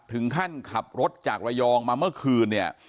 ถึงขั้นขับรถจากระยองมาเมื่อคืนเนี่ย